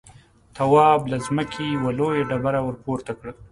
تواب له ځمکې يوه لويه ډبره ورپورته کړه.